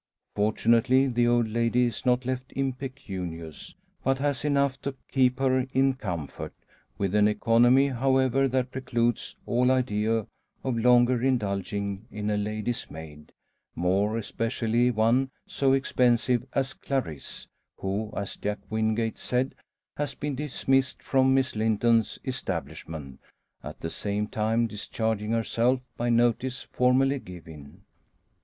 Fortunately, the old lady is not left impecunious; but has enough to keep her in comfort, with an economy, however, that precludes all idea of longer indulging in a lady's maid, more especially one so expensive as Clarisse; who, as Jack Wingate said, has been dismissed from Miss Linton's establishment at the same time discharging herself by notice formally given.